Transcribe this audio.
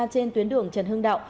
trên tuyến đường trần hưng đạo